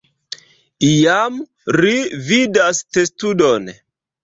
Iam, ri vidas testudon.